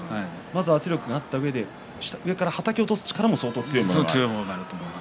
圧力があったうえで上からはたき落とす力も相当強いものがあると。